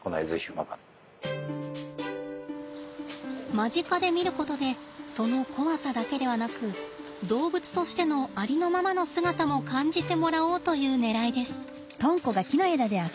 間近で見ることでその怖さだけではなく動物としてのありのままの姿も感じてもらおうというねらいです。